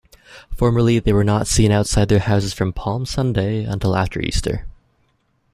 Formerly, they were not seen outside their houses from palm Sunday until after Easter.